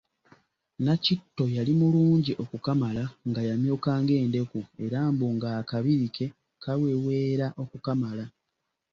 Nakitto yali mulungi okukamala nga yamyuka ng'endeku era mbu ng'akabiri ke kaweweera okukamala.